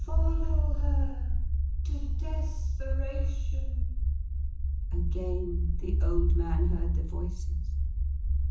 'Follow her! To desperation!' Again the old man heard the voices.